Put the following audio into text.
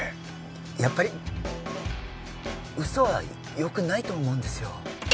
やっぱり嘘はよくないと思うんですよ